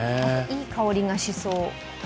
いい香りがしそう。